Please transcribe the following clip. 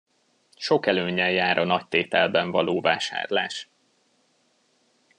Sok előnnyel jár a nagytételben való vásárlás.